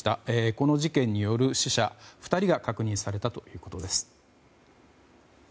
この事件による死者２人が確認されたということです。